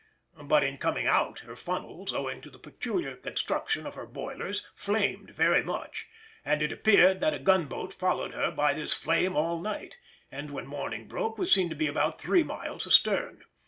But in coming out her funnels, owing to the peculiar construction of her boilers, flamed very much, and it appears that a gunboat followed her by this flame all night, and when morning broke was seen to be about three miles astern.